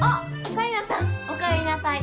狩野さんおかえりなさい。